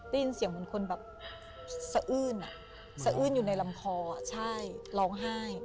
ได้ยินเสียงเหมือนคนแบบสะอื้นสะอื้นอยู่ในลำคอใช่ร้องไห้